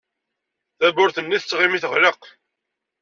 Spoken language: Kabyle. Tawwurt-nni tettɣimi teɣleq.